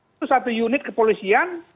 itu satu unit kepolisian